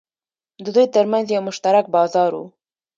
د دوی ترمنځ یو مشترک بازار و.